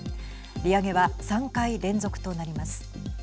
利上げは３回連続となります。